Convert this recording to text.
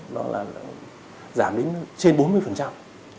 đó là giảm đến trên bốn mươi